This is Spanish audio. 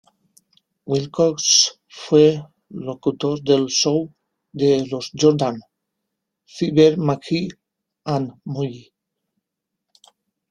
Wilcox fue locutor del show de los Jordan, "Fibber McGee and Molly".